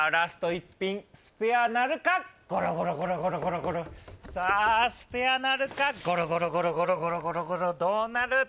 １ピンスペアなるかゴロゴロゴロゴロゴロゴロさあスペアなるかゴロゴロゴロゴロゴロゴロゴロどうなる？